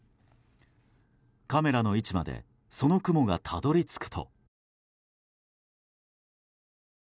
カメラの位置までその雲がたどり着くと。